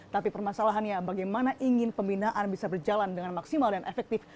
tapi permasalahannya bagaimana ingin pembinaan bisa berjalan dengan maksimal dan efektif